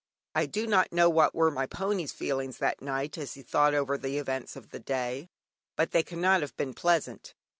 I do not know what were my pony's feelings that night as he thought over the events of the day, but they cannot have been pleasant.